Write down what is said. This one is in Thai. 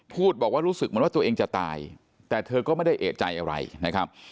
พูดบอกว่ารู้สึกเหมือนว่าตัวเองจะตายแต่เธอก็ไม่ได้เอกใจอะไรนะครับ